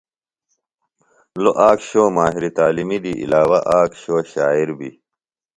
لوۡ آک شو ماہر تعلیم دی علاوہ آک شو شاعر بیۡ۔